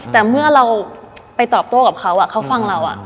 แต่เมื่อเราไปตอบโต้กับเขาเขาฟังเรา